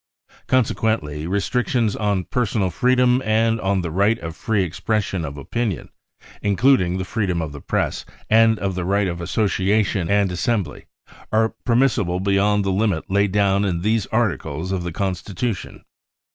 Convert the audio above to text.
Consequently restrictions on personal TH J3 REAL INCENDIARIES ■I 7 1 freedom and on the right of free expression bf opinion, including the freedom of the Press, and of the right of association and assembly, are permissible beyond the limit laid down in these articles of the Constitution.